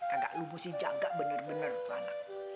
kagak lo mesti jaga bener bener tuh anak